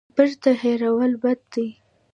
بیرته هېرول بد دی.